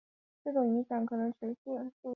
这种影响可能持续数月甚至数年之久。